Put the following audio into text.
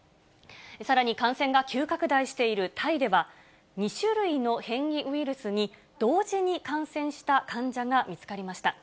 さらに、感染が急拡大しているタイでは、２種類の変異ウイルスに同時に感染した患者が見つかりました。